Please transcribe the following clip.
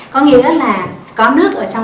có nghĩa là có nước ở trong